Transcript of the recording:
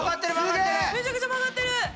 めちゃくちゃ曲がってる！